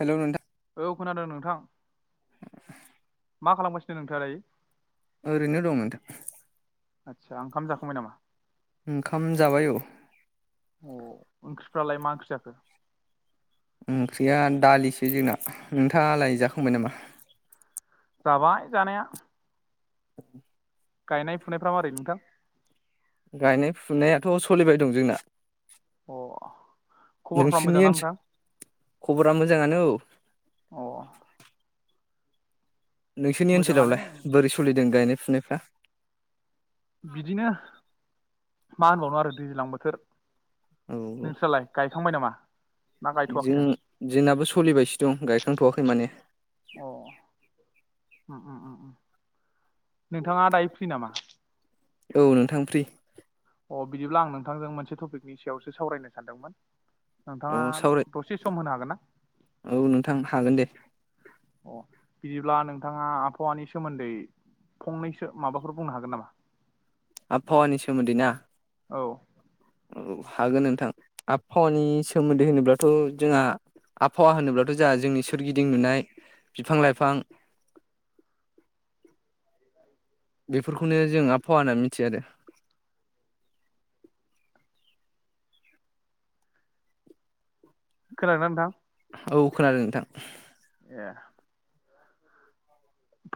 Hello नोंथां औ खोनादों नोंथां मा खालामगासि सोलोंथारै ओरैनो दं नोंथा आदसा ओंखाम जाखांबाय नामा ओंखाम जाबाय औ अह ओंख्रिफ्रालाय मा ओंख्रि जाखो ओंख्रिया दालिसो जोंना नोंथाङालाय जाखांबाय नामा जाबाय जानाया [unintelligible] गायनाय फुनायफ्रा मारै नोंथां गायनाय फुनायाथ' सलिबाय दं जोंना अ खबरफ्रा नोंसिनि मोजांना ओनसोल नोंथां खबरा मोजाङानो औ अह नोंसोरनि मोजाङानो ओनसोलावलाय बोरै सोलिदों गायनाय फुनायफ्रा बिदिनो मा होनबावनो आरो दैज्लां बोथोर औ औ नोंस्रालाय गायखांबाय नामा ना जों गायथ'वाखैनो जोंनाबो सलिबायसो दं गायखांथ'वाखै माने अह उम उम नोंथाङा दायो फ्रि नामा औ नोंथां फ्रि अह बिदिब्ला आं नोंथांजों मोनसे टपिकनि सायावसो सावरायनो सानदोंमोन औ नोंथाङा सावराय दसे सम होनो हागोन ना औ नोंथां हागोन दे अह बिदिब्ला नोंथाङा आबहावानि सोमोन्दै फंनैसो माबाफोर बुंनो हागोन नामा आबहावानि सोमोन्दै ना औ औ हागोन नोंथां आबहावानि सोमोन्दै होनोब्लाथ' जोंहा आबहावा होनोब्लाथ' जोंहा जोंनि सोरगिदिं नुनाय बिफां लाइफां बेफोरखौनो जों आबहावा होन्नानै मिथियो आरो खोनादों ना नोंथां औ खोनादों नोंथां ए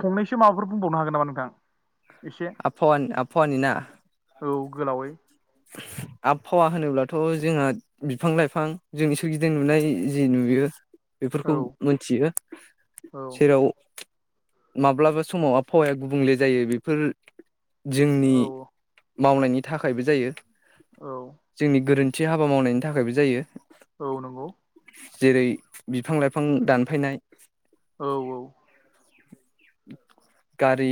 फंनैसो माबाफोर बुंबावनो हागोन नामा नोंथां एसे आबहावानि आबहावानि ना औ गोलावै आबहावा होनोब्लाथ' जोंहा बिफां लाइफां जोंनि सोरगिदिं नुनाय जि नुयो बेफोरखौ औ मोनथियो औ जेराव माब्लाबा समाव आबहावाया गुबुंले जायो बेफोर जोंनि औ मावनायनि थाखायबो जायो औ जोंनि गोरोन थि हाबा मावनायनि थाखायबो जायो औ नंगौ जेरै बिफां लाइफां दानफायनाय औ औ गारि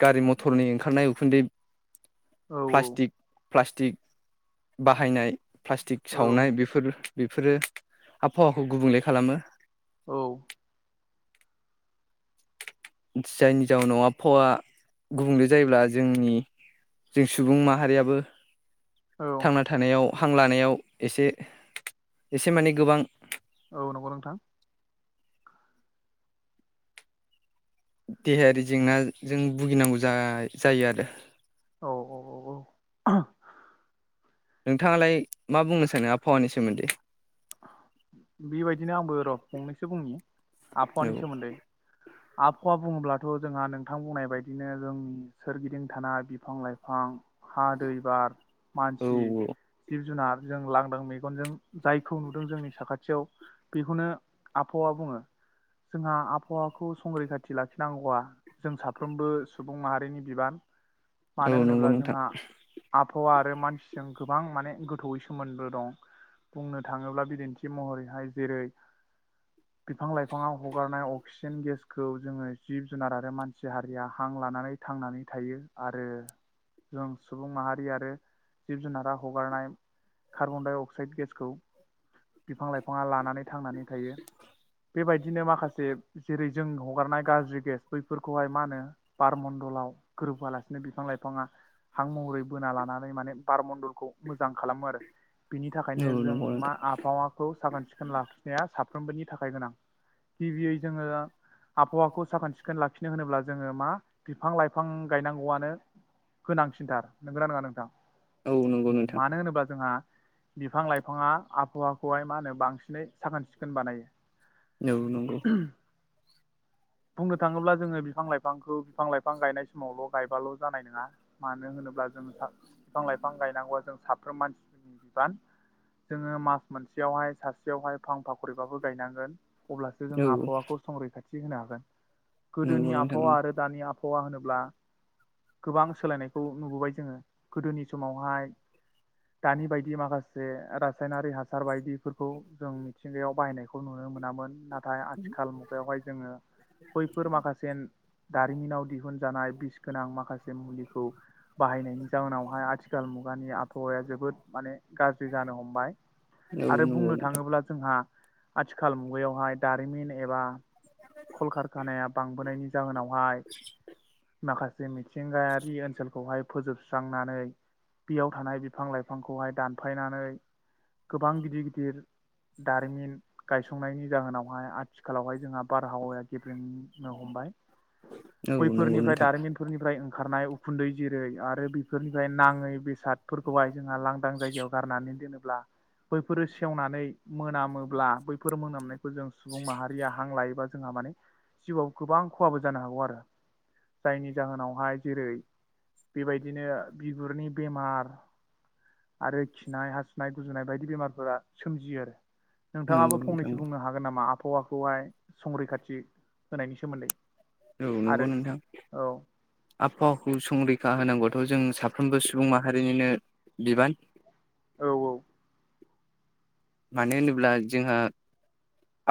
गारि मथरनि ओंखारनाय उखुन्दै औ औ प्लास्टिक प्लास्टिक बाहायनाय प्लास्टिक औ सावनाय बेफोर बेफोरो आबहावाखौ गुबुंले खालामो औ जायनि जाउनाव आबहावा गुबुंले जायोब्ला जोंनि जों सुबुं माहारियाबो औ थांना थानायाव हां लानायाव एसे एसे माने गोबां औ नंगौ नोंथां देहायारि जेंनाजों भुगिनांगौ जा जायो आरो औ औ औ नोंथाङालाय मा बुंनो सानो आबहावानि सोमोन्दै बेबायदिनो आंबो र' फंनैसो बुंनि औ आबहावानि सोमोन्दै आबहावा बुङोब्लाथ' जोंहा नोंथां बुंनाय बायदिनो जोंनि सोरगिदिं थानाय बिफां लाइफां हा दै बार औ मानसि जिब जुनार जों लांदां मेगनजों जायखौ नुदों जोंनि साखाथियाव बेखौनो आबहावा बुङो जोंहा आबहावाखौ संरैखाथि लाखिनांगौआ जों साफ्रोमबो सुबुं माहारिनि बिबान औ मानो नंगौ होनोब्ला नोंथां जोंहा आबहावा आरो मानसिजों गोबां माने गोथौैयै सोमोन्दो दं बुंनो थाङोब्ला बिदि सि महरैहाय जेरै बिफां लाइफाङाव हगारनाय अक्सिजेन गेसखौ जोङो जिब जुनार आरो मानसि हारिया हां लानानै थांनानै थायो आरो जों सुबुं माहारि आरो जिब जुनारा हगारनाय कार्बनडाइ अक्साइड गेसखौ बिफां लाइफाङा लानानै थांनानै थायो बेबायदिनो माखासे जेरै जों हगारनाय गाज्रि गेस बैफोरखौहाय मा होनो बारमणडलाव गोरोबहोआ लासिनो बिफां लाइफाङा हां महरै बोना लानानै माने बारमन्दलखौ मोजां। मोजां खालामो आरो बिनि थाखायनो औ जों नंगौ मा नोंथां हावाखौ साखोन सिखोन लाखिनाया साब साफ्रोमबोनि थाखाय गोनां गिबियै जोङो आबहावाखौ साखोन सिखोन लाखिनो होनोब्ला। जोङो मा बिफां लाइफां गायनांगौआनो गोनांसिनथार नंगोना नङा नोंथां। औ नंगौ नोंथां। मानो होनोब्ला जोंहा बिफां लाइफाङा आबहावाखौ। खौहाय मा होनो बांसिनै साखोन सिखोन बानायो। नौ नंगौ। बुंनो थाङोब्ला जोङो बिफां लाइफांखौ बिफां लाइफां गायनाय समावल गायबाल जानाय नङा मानो होनोब्ला जों बिफां लाइफां गायनांगौआ जों साफ्रोम मानसिनि बिबान जोङो मा मोनसेयावहाय सासेयावहाय फांफा करिबाबो गायनांगोन अब्लासो औ जोँ आबहावाखौ संरै थायो। थि होनो हागोन। नंगौ गोदोनि नोंथां आबहावा आरो दानि आब आबहावा होनोब्ला गोबां सोलायनायखौ नुबोबाय जोङो गोदोनि समावहाय दानि बायदि माखासे रासायनारि हासार सार बायदिफोर खौ जों मिथिंगायाव बाहायनायखौ नुनो मोनोमोन। नाथ नाथाय आथिखाल मुगायावहाय जोङो बैफोर माखासे दारिमिनाव दिहुनजानाय बिस गोनां माखासे मुलिखौ बाहायनायनि जाहोनावहाय आथिखाल मुगानि आबहावाया जोबोद माने गाज्रि जानो हमबाय औ आरो नंगौ बुंनो नोंथां थाङोब्ला जोंहा आ आथिखाल मुगायावहाय दारिमिन एबा खलकारखानाया बांबोनायनि जाहोनाव माय माखासे जे मिथिंगायारि ओनसोलखौहाय फोजोबस्रांनानै बेयाव थानाय बिफां लाइफांखौहाय दानफायनानै गोबां गिदिर गिदिर दारिमिन गायसंनायनि जाहोनावहाय आथिखालावहाय जोंहा बारहावाया गेब्रेंनो हमबाय। औ नंगौ बैफोरनिफ्राय नोंथां दारिमिनफोरनिफ्राय खारनाय उखुन्दै जेरै आरो। बेफोरनिफ्राय नाङै बेसादफोरखौहाय जोंहा लांदां जायगायाव गारनानै दोनो ब्ला बैफोरो सेवनानै मोनामोब्ला बैफोर मोनामनायखौ जों सुबुं माहारिया हां लायोबा जोंहा माने जिउआव गोबां खहाबो जानो हागौ आरो। जायनि जाहोनावहाय जेरै बेबायदिनो बिगुरनि बेमार आरो खिनाय हासुनाय गुजुनाय बायदि बेमारफोरा सोमजियो आरो। नंगौ नोंथाङाबो नोंथां फंनैसो बुंनो हागोन नामा? आबहावाखौहाय संरैखाथि होनायनि सोमोन्दै रौ नंगौ आरो नोंथां औ आबहावाखौ संरैखा होनांगौ दाथ' जों साफ्रोमबो सुबुं माहारिनिनो बिबान औ औ मानो होनोब्ला जोंहा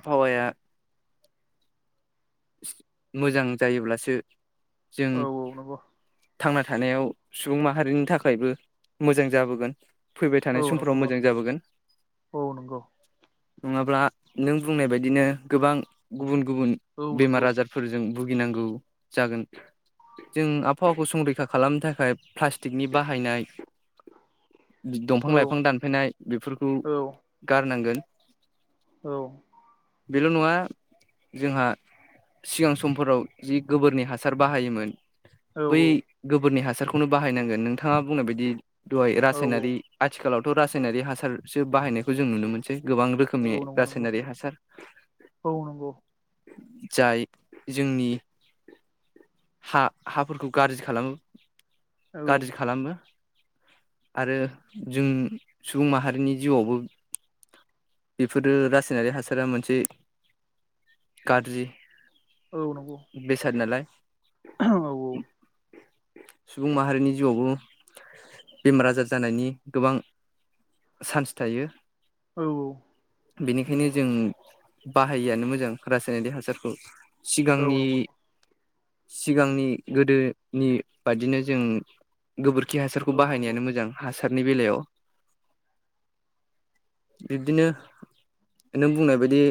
आबहावाया मोजां जायोब्लासो जों औ औ नंगौ थांना थानायाव सुबुं माहारिनि थाखायबो मोजां जाबोगोन। फैबाय थानाय औ नंगौ समफ्राव नंगौ मोजां जाबोगोन। औ नंगौ नङाब्ला नों बुंनाय बायदिनो गोबां गुबुन गुबुन औ बेमार नंगौ आजारफोरजों भुगिनांगौ जागोन जों आबहावाखौ संरैखा खालामनो थाखाय प्लास्टिकनि बाहायनाय दंफां औ लाइफां दानफायनाय बेफोरखौ औ गारनांगोन। औ बेल' नङा जोंहा सिगां समफोराव जि गोबोरनि हासार बाहायोमोन। बै गोबोरनि हास हासारखौनो बाहायनांगोन नोंथाङा बुंनाय बायदि दहाय औ रासायनारि आथिखालाव थ' रासायनारिक हासारसो बाहायनायखौ जों नुनो मोनसै। गोबां औ रोखोमनि नंगौ नंगौ रासायनारि हासार औ नंगौ औ नंगौ औ जाय जोंनि हा हाफोरखौ गाज्रि खालामो। औ गाज्रि खालामो। आरो जों सुबुं माहारिनि जिउआवबो बेफोरो रासायनारि हासारा मोनसे गाज्रि नंगौ नंगौ बेसाद नालाय औ औ सुबुं माहारिनि जिउआवबो बेमार आजार जानायनि गोबां चान्स थायो। औ नंगौ बेनिखायनो जों बाहायआनो मोजां। रासायनारिक हासारखौ औ नंगौ औ सिगांनि सिगांनि गोदोनि बादिनो जों गोबोरखि हासारखौ नंगौ बाहायनायानो मोजां हासार हासारनि बेलायाव बिब्दिनो नों बुंनाय बायदि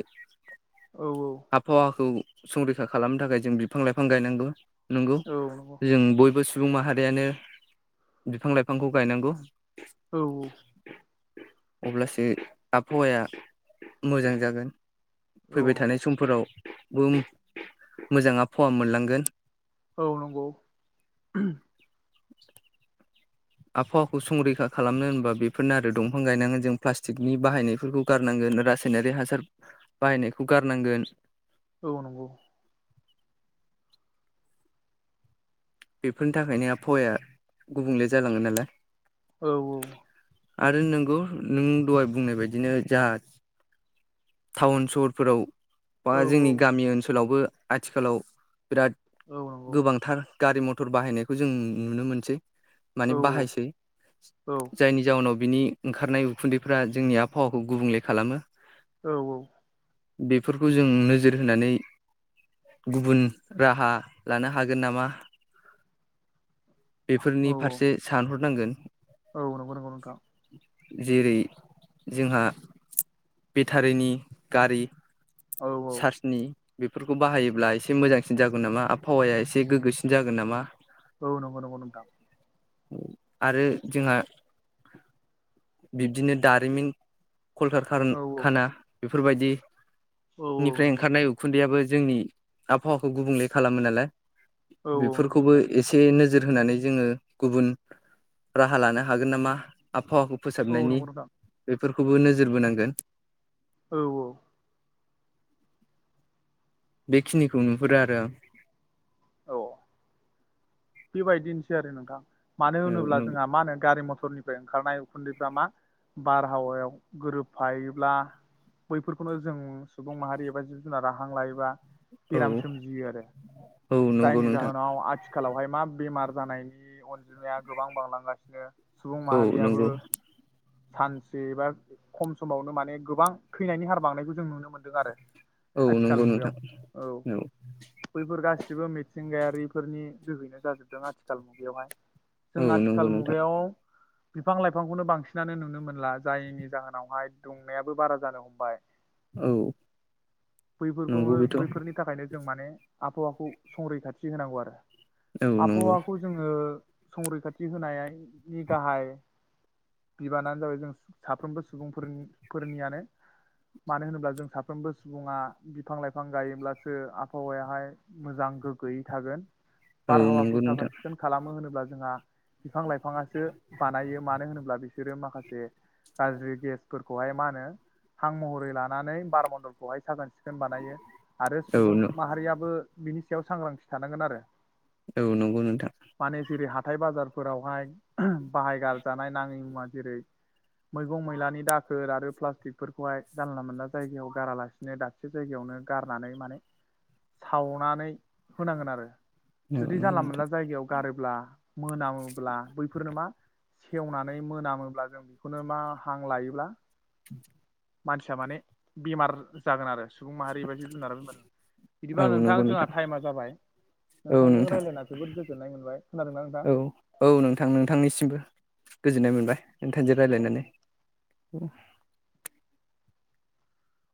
औ आबहावाखौ संरैखा खालामनो थाखाय जों बिफां लाइफां गायनांगौ नोंगौ औ नंगौ जों बयबो सुबुं माहारियानो बिफां लाइफांखौ गायनांगौ औ अब्लासो आबहावाया मोजां जागोन औ नंगौ फोरावबो मोजां आबहावा मोनलांगोन औ नंगौ [inaudible] आबहावाखौ संरैखा खालामनो होनबा बेफोरनो आरो दंफां गायनांगोन जों प्लास्टिकनि बाहायनायफोरखौ गारनांगोन रासायनारि हासार बाहायनायखौ गारनांगोन औ नंगौ बेफोरनि थाखायनो आबहावाया गुबुंले जालाङो नालाय औ औ आरो नोंगौ नों दहाय बुंनाय बदिनो जा टाउन सहरफोराव बा औ जोंनि गामि ओनसोलावबो आथिखालाव बिराद औ नंगौ गोबांथार गारि मथर बाहायनायखौ जों नुनो मोनसै माने औ बाहायसै औ जायनि जाउनाव बिनि ओंखारनाय उखुन्दैफ्रा जोंनि आबहावाखौ गुबुंले खालामो औ औ बेफोरखौ जों नोजोर होनानै गुबुन राहा लानो हागोन नामा औ बेफोरनि फारसे सानहर नांगोन औ नंगौ नंगौ नोंथां जेरै जोंहा बेटारिनि गारि औ औ चार्जनि बेफोरखौ बाहायोब्ला एसे मोजांसिन जागोन नामा आरो आबहावाया एसे गोग्गोसिन जागोन नामा औ नंगौ नंगौ नोंथां आरो जोंहा बिब्दिनो दारिमिन औ कलकारखाना बेफोरबायदि औ औ निफ्राय नंगौ ओंखारनाय नंगौ उखुन्दैयाबो जोंनि आबहावाखौ गुबुंले खालामो नालाय औ औ नंगौ बेफोरखौबो नोंथां एसे नोजोर होनानै जोङो गुबुन राहा लानो हागोन नामा आबहावाखौ औ फोसाबनायनि नंगौ नोंथां बे फोरखौबो नोजोर बोनांगोन औ औ बेखिनिखौ नुहुरो आरो आं औ बेबायदिनोसै आरो नोंथां मानो औ होनोब्ला जोंहा नंगौ मा होनो गारि मथर सरनिफ्राय ओंखारनाय उखुन्दैफ्रा मा बारहावायाव गोरोबफायोब्ला बैफोरखौनो जों सुबुं माहारि एबा जिब जुनाराहां लायोबा बेराम सोमजियो आरो औ नंगौ जायनि नोंथां जाहोनाव आथिखालावहाय बेमार जानायनि अनजिमाया गोबां बांलांगासिनो सुबुं औ माहारियाबो नंगौ सानसे बा खम समावनो माने गोबां थैनायनि हार बांनायखौ जों नुनो मोनदों आरो औ आथिखाल नंगौ मुगायाव नोंथां औ गसिबो मिथिंगायारिफोरनि जोहैनो जाजोबदों आथिखाल मुगायावहाय जों औ नंगौ आथिखाल नोंथां मुगायाव बिफां लाइफांखौनो बांसिनानो नुनो मोनला जायनि जाहोनावहाय दुंनायाबो बारा जानो हमबाय औ बैफोरखौ नंगौ बेथ' बैफोरनि थाखायनो जों माने आबहावाखौ संरैखाथि होनांगौ आरो औ नंगौ आबहावाखौ जोङो संरैखाथि होनायनि गाहाय बिबानानो जाबाय जों साफ्रोमबो सुबुंफोरनि फोरनियानो मानो होनोब्ला जों साफ्रोमबो सुबुङा बिफां लाइफां गायोब्लासो आबहावायाहाय मोजां गोग्गोयै थागोन औ बारहावाखौ नंगौ नोंथां साखोन सिखोन खालामो होनोब्ला जोंहा बिफां लाइफाङासो बानायो मानो होनोब्ला बिसोरो माखा माखासे गाज्रि गेसफोरखौहाय मा हां महरै लानानै नानै बारमन्दलखौहाय साखोन सिखोन बानायो आरो औ सुबुं माहारियाबो बिनि सायाव सांग्रांथि थानांगोन आरो औ नंगौ नोंथां माने जेरै हाथाय बाजारफोरावहाय बाहायगारजानाय नाङै मुवा जेरै मैगं मैलानि दाखोर आरो प्लास्टिकफोरखौहाय जानला मोनला जायगायाव गारालासिनो दाबसे जायगायावनो गारनानै माने सावनानै होनांगोन आरो औ जुदि नंगौ जानला मोनानला नोंथां जायगायाव गारोब्ला मोनामोब्ला बैफोरनो मा सेवनानै मोनामोब्ला जों बेखौनो मा हां लायोब्ला मानसिया माने बेमार जागोन आरो औ नंगौ नोंथां [unintelligible] औ नोंथांजों नोंथां रायलायना जोबोद गोजोननाय मोनबाय खोनादोंना नोंथां औ औ नोंथां नोंथांनिसिमबो गोजोननाय मोनबाय नोंथांजों औ दे रायलायनानै। औ।